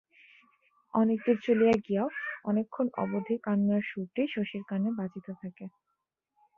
অনেকদূর চলিয়া গিয়াও অনেকক্ষণ অবধি কান্নার সুরটি শশীর কানে বাজিতে থাকে।